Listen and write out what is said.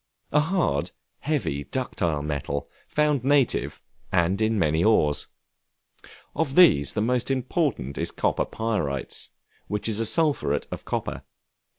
A hard, heavy, ductile metal, found native, and in many ores; of these the most important is copper pyrites, which is a sulphuret of copper.